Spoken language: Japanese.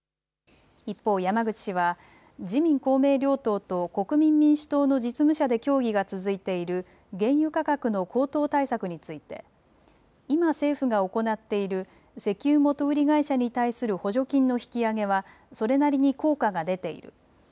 一方、山口氏は自民公明両党と国民民主党の実務者で協議が続いている原油価格の高騰対策について今、政府が行っている石油元売り会社に対する補助金の引き上げはそれなりに効果が出ている。